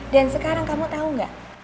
dan sekarang kamu tau gak